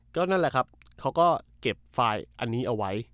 ก็นั่นแหละครับเขาก็เก็บไฟล์อันนี้เอาไว้